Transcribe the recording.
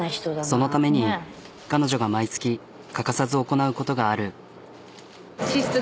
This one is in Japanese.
そのために彼女が毎月欠かさず行なうことがある。